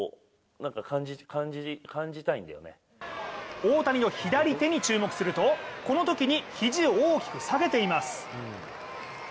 大谷の左手に注目するとこのときに、肘を大きく下げています。